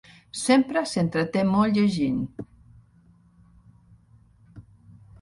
Sempre s'entreté molt llegint.